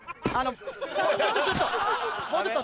ちょっともうちょっと。